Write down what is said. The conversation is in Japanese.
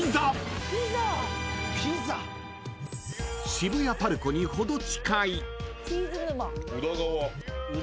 ［渋谷ＰＡＲＣＯにほど近い］